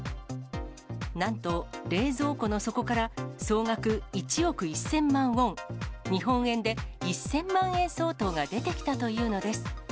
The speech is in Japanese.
なんと冷蔵庫の底から総額１億１０００万ウォン、日本円で１０００万円相当が出てきたというのです。